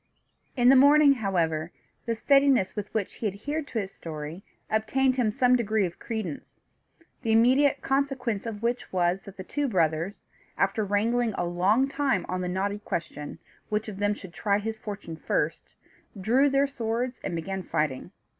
In the morning, however, the steadiness with which he adhered to his story obtained him some degree of credence; the immediate consequence of which was, that the two brothers, after wrangling a long time on the knotty question, which of them should try his fortune first, drew their swords and began fighting.